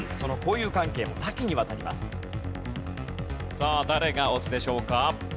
さあ誰が押すでしょうか？